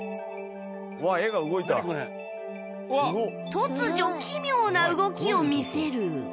突如奇妙な動きを見せる